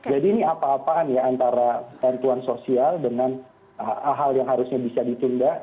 jadi ini apa apaan ya antara bantuan sosial dengan hal hal yang harusnya bisa ditunda